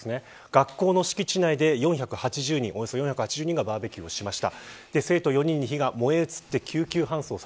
学校の敷地内で４８０人がバーベキューをしました。